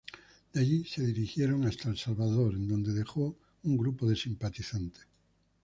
De allí se dirigieron hasta El Salvador, en donde dejó un grupo de simpatizantes.